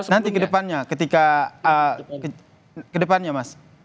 nanti kedepannya ketika kedepannya mas